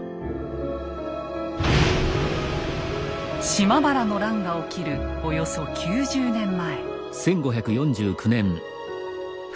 島原の乱が起きるおよそ９０年前。